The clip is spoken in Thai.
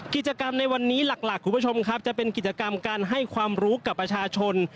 กิจกรรมในวันนี้หลักคุณผู้ชมครับจะเป็นกิจกรรมการให้ความรู้กับประชาชน